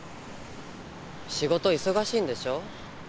仕事忙しいんでしょう？